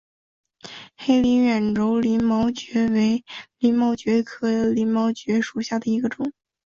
黑鳞远轴鳞毛蕨为鳞毛蕨科鳞毛蕨属下的一个种。